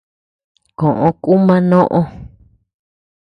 Koʼö kuuma noʼö.